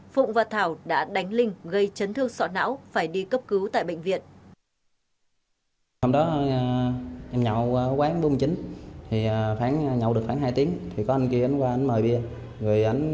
phụng và thảo đã đánh linh gây chấn thương sọ não phải đi cấp cứu tại bệnh viện